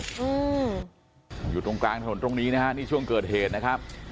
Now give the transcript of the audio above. อืมอยู่ตรงกลางถนนตรงนี้นะฮะนี่ช่วงเกิดเหตุนะครับ